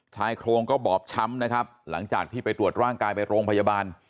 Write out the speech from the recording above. ชายโครงก็บอบช้ำนะครับหลังจากที่ไปตรวจร่างกายไปโรงพยาบาล